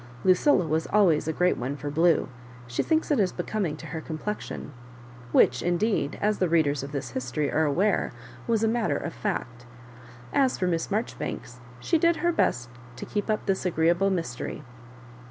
"Lucilla was always a great one for blue ; she thinks it is becoming to her complexion;" which, indeed, as the readers of this history are aware, was a matter of fact As for Miss Marjoribanks, she did her best to keep up this agreeable mystery.